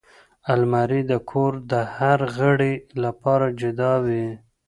الماري د کور د هر غړي لپاره جدا وي